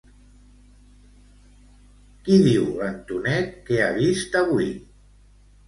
Qui diu l'Antonet que ha vist avui?